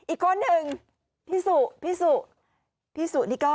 อีกคนนึงพี่สุพี่สุนี่ก็